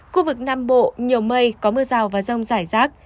khu vực nam bộ nhiều mây có mưa rào và rông rải rác